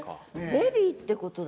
ベリーってことだ。